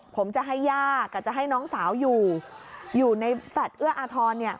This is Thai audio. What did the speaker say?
ผมจะให้ย่ากับจะให้น้องสาวอยู่ในฝัดเอื้ออทร